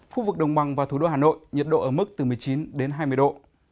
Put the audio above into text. khu vực đồng bằng và thủ đô hà nội nhiệt độ ở mức từ một mươi chín hai mươi độ